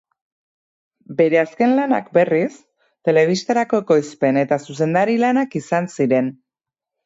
Bere azken lanak, berriz, telebistarako ekoizpen- eta zuzendari-lanak izan ziren.